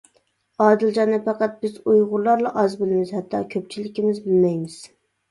ئادىلجاننى پەقەت بىز ئۇيغۇرلارلا ئاز بىلىمىز، ھەتتا كۆپچىلىكىمىز بىلمەيمىز.